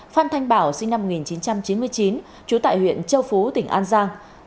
phan thanh bảo sinh năm một nghìn chín trăm chín mươi chín trú tại huyện châu phú tỉnh an giang